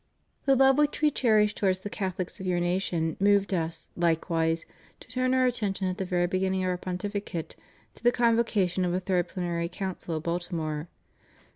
The love which We cherish towards the Catholics of your nation moved Us, likewise, to turn Our attention at the very beginning of Our Pontificate to the convo cation of a third Plenary Council of Baltimore.